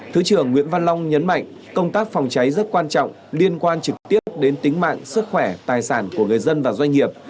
thứ trưởng nguyễn văn long nhấn mạnh công tác phòng cháy rất quan trọng liên quan trực tiếp đến tính mạng sức khỏe tài sản của người dân và doanh nghiệp